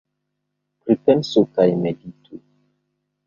Pripensu kaj meditu.